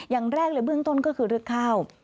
อย่างแรกเลยเบื้องต้นก็คือเรื่องข้าว